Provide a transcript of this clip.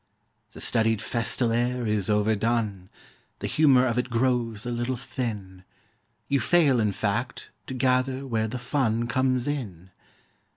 The studied festal air is overdone; The humour of it grows a little thin; You fail, in fact, to gather where the fun Comes in.